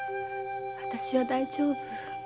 私は大丈夫。